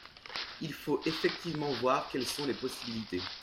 Il faut effectivement voir quelles sont les possibilités.